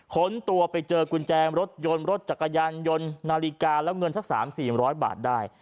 ้นตัวไปเจอกุญแจรถยนต์รถจักรยานยนต์นาฬิกาแล้วเงินสัก๓๔๐๐บาทได้